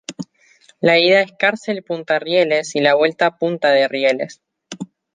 La ida es Cárcel Pta Rieles y la vuelta Punta de Rieles.